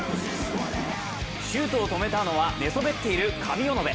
シュートを止めたのは寝そべっている上尾野辺。